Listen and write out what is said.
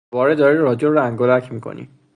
دوباره داری رادیو را انگولک میکنی!